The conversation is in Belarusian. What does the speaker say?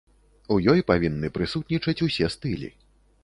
У ёй павінны прысутнічаць усе стылі.